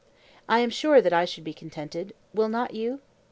I am sure that I should be contented—will not you?